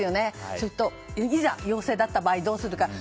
それと、いざ陽性だった場合どうするか。